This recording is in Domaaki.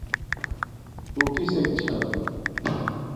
تو کِسݵک چھݳئی؟